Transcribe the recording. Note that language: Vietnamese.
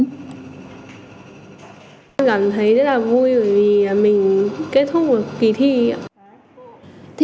tôi cảm thấy rất là vui bởi vì mình kết thúc một kỳ thi